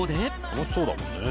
「楽しそうだもんね」